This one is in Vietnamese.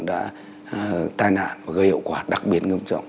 đã tai nạn và gây hiệu quả đặc biệt ngâm trọng